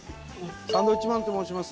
サンドウィッチマンと申します。